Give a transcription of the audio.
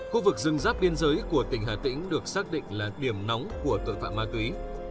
khu vực rừng giáp biên giới của tỉnh hà tĩnh được xác định là điểm nóng của tội phạm ma túy